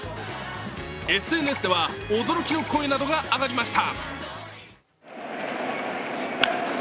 ＳＮＳでは驚きの声などが上がりました。